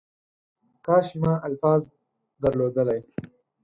کاش ما الفاظ درلودلی .